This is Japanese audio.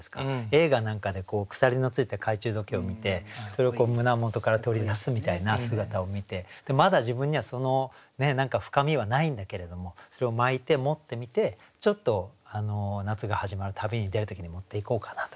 映画なんかで鎖の付いた懐中時計を見てそれを胸元から取り出すみたいな姿を見てまだ自分にはその深みはないんだけれどもそれを巻いて持ってみてちょっと夏が始まる旅に出る時に持っていこうかなとか。